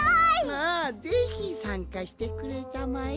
ああぜひさんかしてくれたまえ。